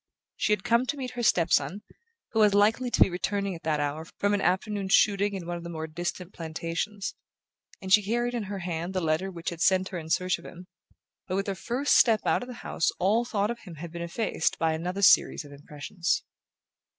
She had come to meet her step son, who was likely to be returning at that hour from an afternoon's shooting in one of the more distant plantations, and she carried in her hand the letter which had sent her in search of him; but with her first step out of the house all thought of him had been effaced by another series of impressions.